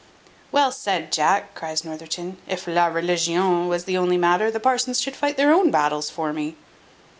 "Well said, Jack," cries Northerton: "if la religion was the only matter, the parsons should fight their own battles for me."